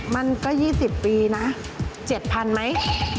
มันก็๒๐ปีนะ๗๐๐ไหม